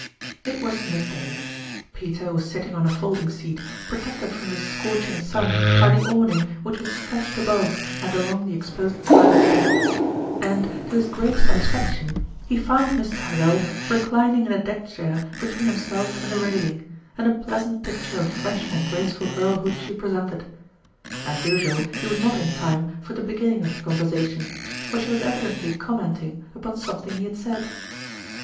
... It was midday : Peter was sitting on a fold ing seat, protected from the scorching sun by the awning which was stretched above and along the exposed side of the deck ; and, to his great satisfaction, he found Miss Tyrrell re clining in a deck chair between himself and the railing, and a pleasant picture of fresh and graceful girlhood she presented. As usual, he was not in time for the begin 84 ning of the conversation, for she was evidently commenting upon something he had said.